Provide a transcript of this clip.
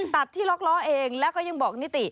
ตัดที่ล็อกล้อเองแล้วก็ยังบอกนิติ